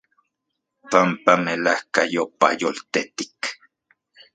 Panpa melajkayopa yoltetik.